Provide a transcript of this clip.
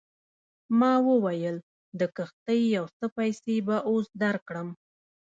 ما وویل د کښتۍ یو څه پیسې به اوس درکړم.